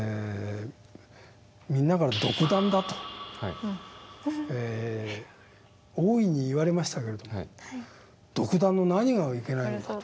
みんなから「独断」だと大いに言われましたけれども独断の何がいけないのかと。